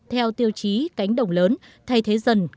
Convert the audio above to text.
theo tiêu chí cánh đồng lớn thay thế dần